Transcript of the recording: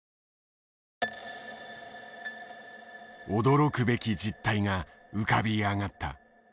驚くべき実態が浮かび上がった。